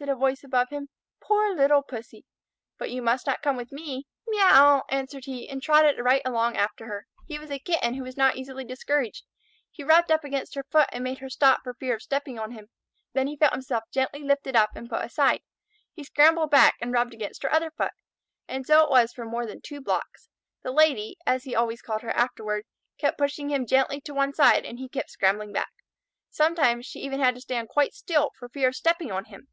said a voice above him. "Poor little Pussy! But you must not come with me." "Meouw!" answered he, and trotted right along after her. He was a Kitten who was not easily discouraged. He rubbed up against her foot and made her stop for fear of stepping on him. Then he felt himself gently lifted up and put aside. He scrambled back and rubbed against her other foot. And so it was for more than two blocks. The Lady, as he always called her afterward, kept pushing him gently to one side and he kept scrambling back. Sometimes she even had to stand quite still for fear of stepping on him.